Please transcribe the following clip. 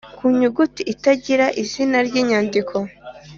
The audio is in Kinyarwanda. ku nyuguti itangira izina ry‟inyandiko,